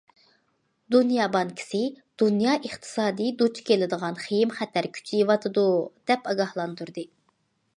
دۇنيا بانكىسى: دۇنيا ئىقتىسادى دۇچ كېلىدىغان خېيىم- خەتەر كۈچىيىۋاتىدۇ، دەپ ئاگاھلاندۇردى.